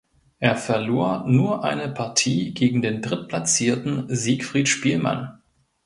Er verlor nur eine Partie gegen den Drittplatzierten Siegfried Spielmann.